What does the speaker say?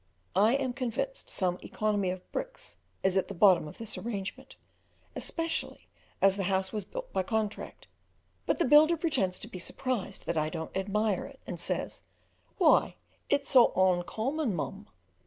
I am convinced some economy of bricks is at the bottom of this arrangement, especially as the house was built by contract; but the builder pretends to be surprised that I don't admire it, and says, "Why, it's so oncommon, mum!"